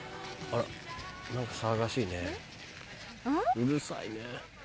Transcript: うるさいね。